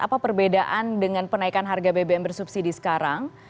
apa perbedaan dengan penaikan harga bbm bersubsidi sekarang